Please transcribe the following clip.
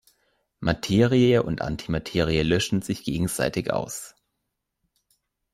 Materie und Antimaterie löschen sich gegenseitig aus.